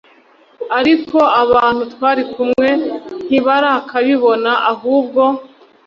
ariko abantu twari kumwe ntibarakabibona ahubwo